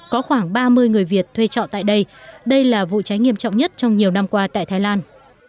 có khoảng ba mươi người việt thuê trọ tại đây đây là vụ cháy nghiêm trọng nhất trong nhiều năm qua tại thái lan